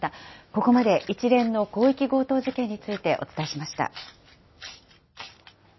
ここまで一連の広域強盗事件についてお伝えしました。